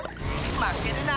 まけるな！